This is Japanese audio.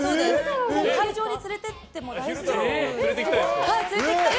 会場に連れて行っても大丈夫ですか？